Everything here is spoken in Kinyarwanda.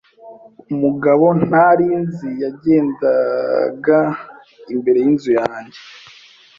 Umugabo ntari nzi yagendagendaga imbere yinzu yanjye.